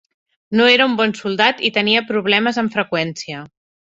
No era un bon soldat i tenia problemes amb freqüència.